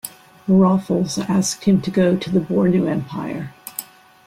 Rohfl's asked him to go to the Bornu Empire.